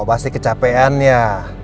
kau pasti kecapean ya